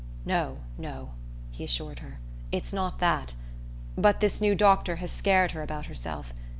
"No, no," he assured her, "it's not that. But this new doctor has scared her about herself.